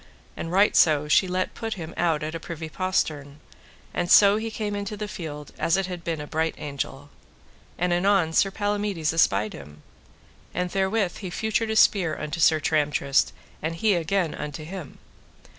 And right so she let put him out at a privy postern, and so he came into the field as it had been a bright angel. And anon Sir Palamides espied him, and therewith he feutred a spear unto Sir Tramtrist, and he again unto him.